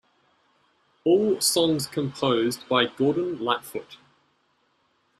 All songs composed by Gordon Lightfoot.